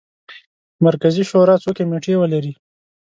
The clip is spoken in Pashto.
مرکزي شورا څو کمیټې ولري.